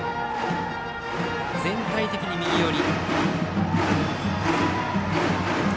全体的に右寄り。